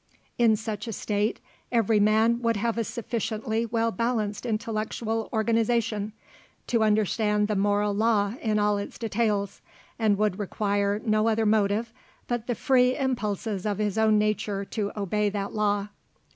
In such a state every man would have a sufficiently well balanced intellectual organization, to understand the moral law in all its details, and would require no other motive but the free impulses of his own nature to obey that law.